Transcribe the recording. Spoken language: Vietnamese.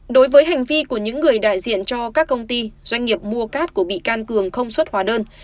đối với hành vi của những người đại diện cho các công ty doanh nghiệp mua cát của bị can cường không xuất hóa đơn